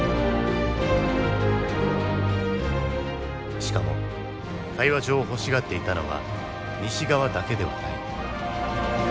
しかも会話帳を欲しがっていたのは西側だけではない。